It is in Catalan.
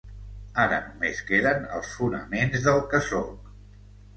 Ara només queden els fonaments del que sóc.